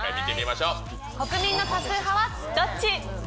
国民の多数派はどっち？